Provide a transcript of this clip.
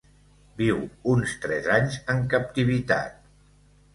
Viu uns tres anys en captivitat.